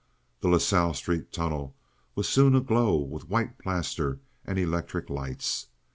The La Salle Street tunnel was soon aglow with white plaster and electric lights.